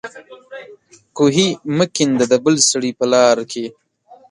کوهي مه کېنده د بل سړي په لار کې